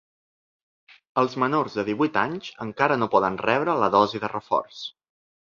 Els menors de divuit anys encara no poden rebre la dosi de reforç.